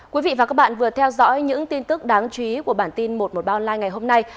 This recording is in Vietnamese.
quý vị và các bạn vừa theo dõi những tin tức đáng chú ý của bản tin một trăm một mươi ba online ngày hôm nay